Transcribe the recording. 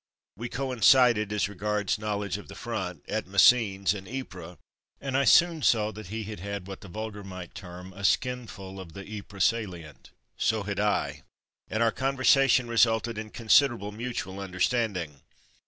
We coincided, as regards knowledge of the front, at Messines'and Ypres, and I soon saw that he had had what the vulgar might term "a skin fuir' of the Ypres salient — so had I — and our conversation resulted in consider able mutual understanding.